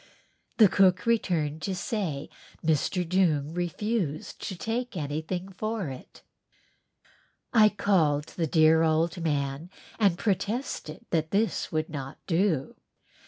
The cook returned to say Mr. Doong refused to take anything for it. I called the dear old man and protested that this would not do.